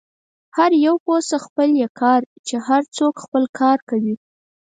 هر یو پوه شه، خپل يې کار، چې هر څوک خپل کار کوي.